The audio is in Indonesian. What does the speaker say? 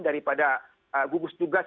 daripada gugus tugas